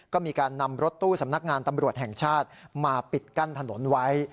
ก็มีการนำรถตู้สำนักงานตำรวจแห่งชาติมาปิดกั้นถนนไว้